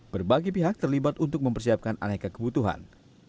berbagai pihak terlibat untuk mempersiapkan aneka kebutuhan